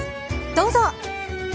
どうぞ。